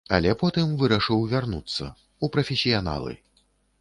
Але потым вырашыў вярнуцца, у прафесіяналы.